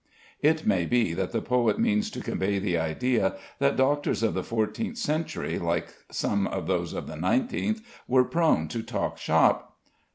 It may be that the poet means to convey the idea that doctors of the fourteenth century, like some of those of the nineteenth, were prone to talk "shop."